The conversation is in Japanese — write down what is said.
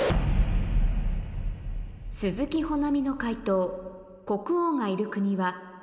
鈴木保奈美の解答国王がいる国はＡ